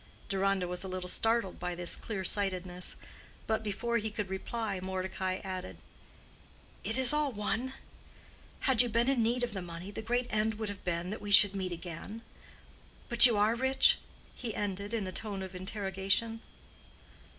Deronda was a little startled by this clear sightedness; but before he could reply Mordecai added—"it is all one. Had you been in need of the money, the great end would have been that we should meet again. But you are rich?" he ended, in a tone of interrogation.